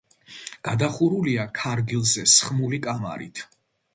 გადახურულია ქარგილზე სხმული კამარით.